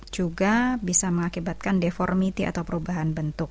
juga bisa mengakibatkan deformiti atau perubahan bentuk